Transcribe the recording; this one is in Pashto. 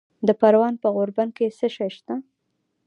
د پروان په غوربند کې څه شی شته؟